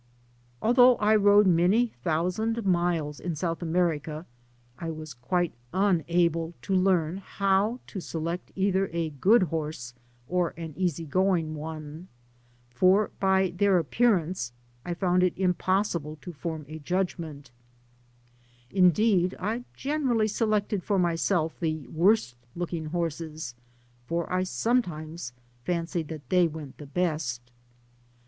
Although I rode many thousand miles in South America, I was quite unable to learn how to select either a good horse or an easy going one, for by their appearance I found it impossible to form a judgment ; indeed, I generally selected for myself the worst looking horses, as I sometimes fancied that they went the best.